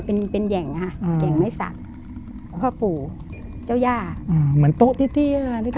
เป็นเป็นแห่งฮะแห่งไม้สักพ่อปู่เจ้าหญ้าอ่าเหมือนโต๊ะที่ที่ฮะ